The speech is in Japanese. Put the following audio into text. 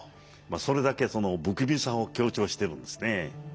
それだけ不気味さを強調してるんですね。